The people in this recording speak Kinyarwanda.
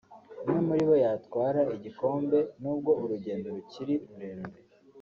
umwe muri bo yatwara igikombe nubwo urugendo rukiri rurerure